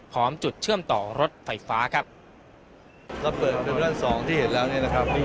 จุดเชื่อมต่อรถไฟฟ้าครับระเบิดด้านสองที่เห็นแล้วเนี่ยนะครับ